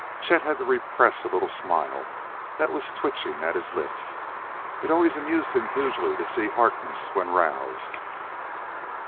Chet had to repress a little smile that was twitching at his lips; it always amused him hugely to see Harkness when roused.